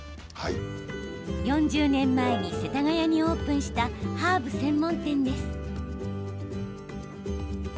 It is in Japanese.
４０年前世田谷にオープンしたハーブ専門店です。